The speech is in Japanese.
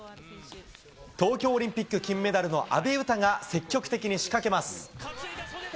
東京オリンピック金メダルの阿部詩が、積極的に仕掛けます。